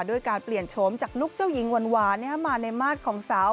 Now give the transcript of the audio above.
ด้วยการเปลี่ยนโฉมจากนุกเจ้าหญิงหวานมาในมาตรของสาว